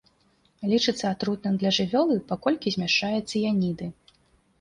Лічыцца атрутным для жывёлы, паколькі змяшчае цыяніды.